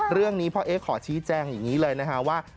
เรื่องนี้พ่อเอ๊ขอชี้แจงอย่างนี้เลยนะคะว่า